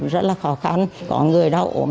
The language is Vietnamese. rất là khó khăn có người đau ổn